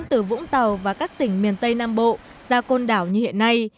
từ vũng tàu và các tỉnh miền tây nam bộ ra côn đảo như hiện nay